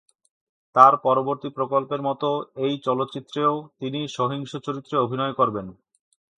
তার পরবর্তী প্রকল্পের মত এই চলচ্চিত্রেও তিনি সহিংস চরিত্রে অভিনয় করবেন।